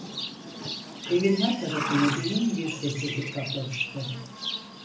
Evin her tarafını derin bir sessizlik kaplamıştı.